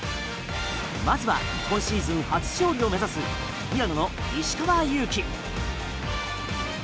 まずは今シーズン初勝利を目指すミラノの石川祐希。